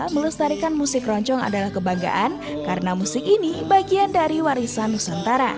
melestarikan musik roncong adalah kebanggaan karena musik ini bagian dari warisan nusantara